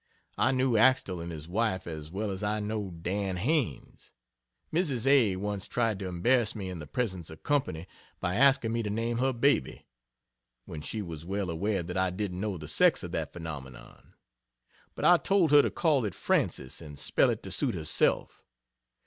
I knew Axtele and his wife as well as I know Dan Haines. Mrs. A. once tried to embarrass me in the presence of company by asking me to name her baby, when she was well aware that I didn't know the sex of that Phenomenon. But I told her to call it Frances, and spell it to suit herself.